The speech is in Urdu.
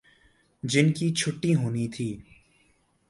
جن کی چھٹی ہونی تھی۔